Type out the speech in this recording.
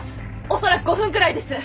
おそらく５分くらいです。